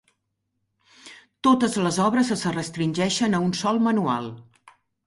Totes les obres es restringeixen a un sol manual.